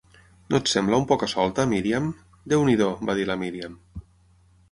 "No et sembla un poca-solta, Míriam?" "Déu-n'hi-do", va dir la Míriam.